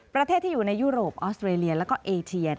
ประเทศที่อยู่ในยุโรปออสเตรเลียแล้วก็เอเชีย